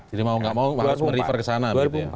jadi mau nggak mau harus me refer ke sana